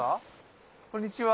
こんにちは。